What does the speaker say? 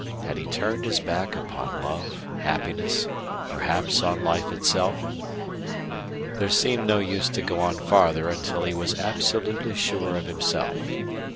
Had he turned his back upon love, happiness, perhaps on life itself? There seemed no use to go on farther until he was absolutely sure of himself.